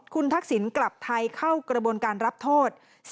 คุณทักษิณกลับไทยเข้ากระบวนการรับโทษ